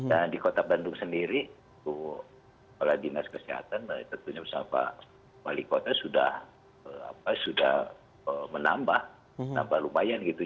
dan di kota bandung sendiri kepala dinas kesehatan tentunya bersama pak wali kota sudah menambah lumayan gitu